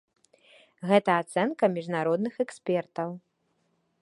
Гэта ацэнка міжнародных экспертаў.